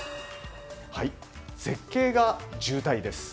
絶景が渋滞です。